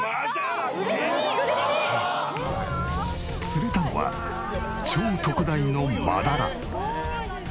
釣れたのは超特大のマダラ。